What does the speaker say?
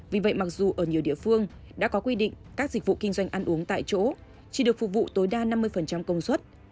vì vậy mặc dù ở nhiều địa phương đã có quy định các dịch vụ kinh doanh ăn uống tại chỗ chỉ được phục vụ tối đa năm mươi công suất